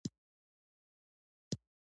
د زړه ناروغۍ د بدن ضعیفوالی سبب کېږي.